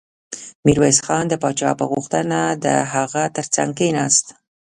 ميرويس خان د پاچا په غوښتنه د هغه تر څنګ کېناست.